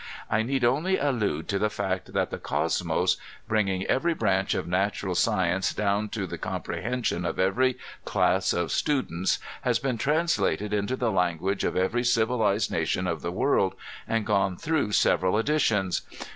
I need only allude to the feet that the Cosmos, bringing every branch of natural science down to the compre hension of every class of students has been translated into the language of every civilized nation of the world, and gone through several editions.